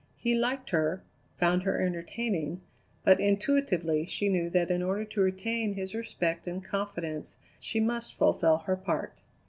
He liked her, found her entertaining, but intuitively she knew that in order to retain his respect and confidence she must fulfil her part.